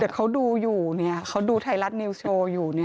เดี๋ยวเขาดูอยู่เนี่ยเขาดูไทยรัฐนิวส์โชว์อยู่เนี่ย